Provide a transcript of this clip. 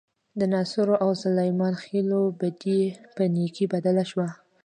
د ناصرو او سلیمان خېلو بدۍ په نیکۍ بدله شوه.